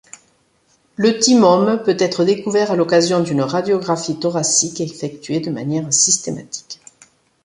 Le thymome peut être découvert à l’occasion d’une radiographie thoracique effectuée de manière systématique.